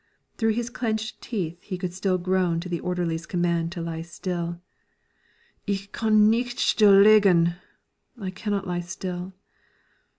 Through his clenched teeth he could still groan to the orderly's command to lie still: "Ich kann nicht still liegen" ("I can't lie still").